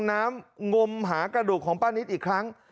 น้ำงมหากระดูกของป้านิตอีกครั้ง